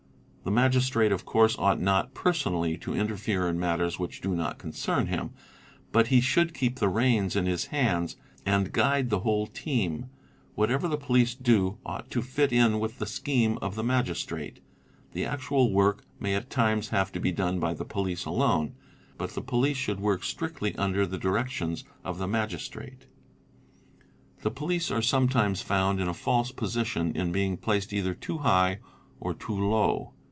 'The Magistrate of course ought not personally to interfere in matters which do not concern him; but he should keep the reins in his hands and guide the whole team; whatever the police do ought to fit in with the scheme of the Magistrate. The actual work may at times have to be done by the police alone, but the police should work strictly under the directions of the Magistrate™. The police are sometimes found in a false position in being placed either too high or too low.